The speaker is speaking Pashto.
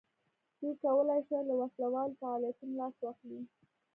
دوی کولای شوای له وسله والو فعالیتونو لاس واخلي.